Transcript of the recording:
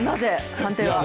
判定は。